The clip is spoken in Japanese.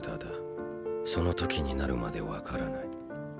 その時になるまで分からない。